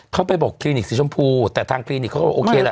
เขาไปบอกคลินิกสีชมพูแต่ทางคลินิกเขาก็บอกโอเคแหละ